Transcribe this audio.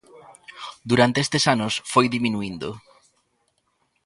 Durante estes anos foi diminuíndo.